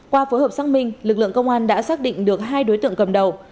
qua phối hợp xác minh lực lượng công an đã xác định được hai đối tượng cầm đầu